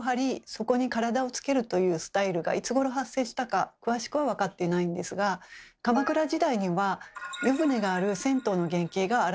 そこに体をつけるというスタイルがいつごろ発生したか詳しくは分かっていないんですが鎌倉時代には湯船がある銭湯の原型が現れたと考えられています。